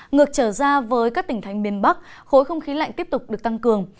ngược trở ra với các tỉnh thành miền bắc khối không khí lạnh tiếp tục được tăng cường